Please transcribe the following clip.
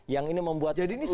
yang ini membuat luar biasa